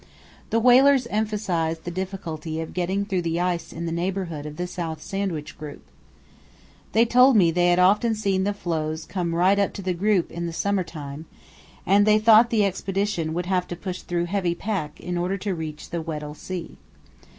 The whalers emphasized the difficulty of getting through the ice in the neighbourhood of the South Sandwich Group. They told me they had often seen the floes come right up to the group in the summer time, and they thought the Expedition would have to push through heavy pack in order to reach the Weddell Sea.